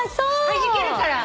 はじけるから。